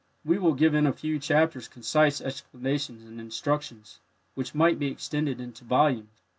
We will give in a few chapters concise explanations and instructions, which might be extended into volumes.